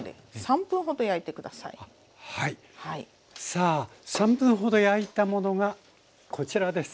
さあ３分ほど焼いたものがこちらです。